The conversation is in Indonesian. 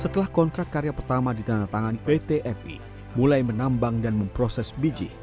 setelah kontrak karya pertama di tanah tangan pt fe mulai menambang dan memproses biji